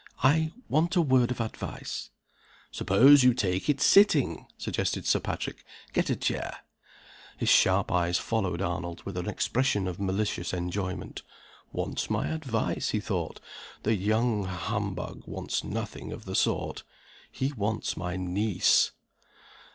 "I want a word of advice." "Suppose you take it sitting?" suggested Sir Patrick. "Get a chair." His sharp eyes followed Arnold with an expression of malicious enjoyment. "Wants my advice?" he thought. "The young humbug wants nothing of the sort he wants my niece."